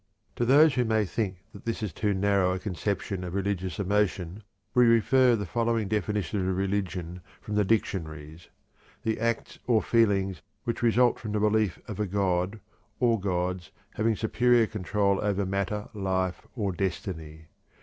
To those who may think that this is too narrow a conception of religious emotion we refer the following definition of "religion" from the dictionaries: "The acts or feelings which result from the belief of a god, or gods, having superior control over matter, life, or destiny.